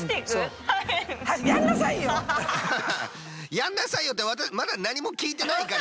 「やんなさいよ！」ってまだなにもきいてないから。